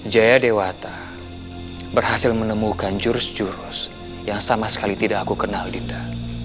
jaya dewata berhasil menemukan jurus jurus yang sama sekali tidak aku kenal dinda